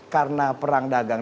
karena perang dagang